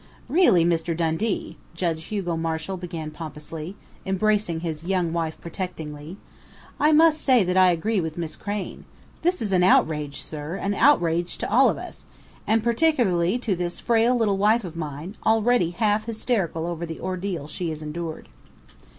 "Really, Mr. Dundee," Judge Hugo Marshall began pompously, embracing his young wife protectingly, "I must say that I agree with Miss Crain. This is an outrage, sir an outrage to all of us, and particularly to this frail little wife of mine, already half hysterical over the ordeal she has endured."